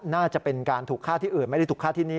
น่าจะเป็นการถูกฆ่าที่อื่นไม่ได้ถูกฆ่าที่นี่